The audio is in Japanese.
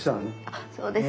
あっそうですか。